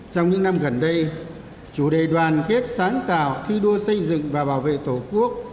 trong những năm gần đây chủ đề đoàn kết sáng tạo thi đua xây dựng và bảo vệ tổ quốc